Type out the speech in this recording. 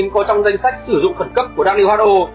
có trong danh sách sử dụng phần cấp của đa liên hoa đô